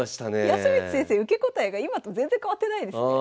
康光先生受け答えが今と全然変わってないですね。